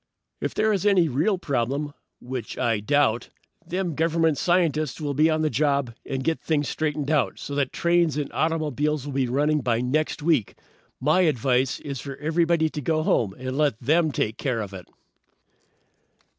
"If there is any real problem, which I doubt, them Government scientists will be on the job and get things straightened out so that trains and automobiles will be running by next week. My advice is for everybody to go home and let them take care of it."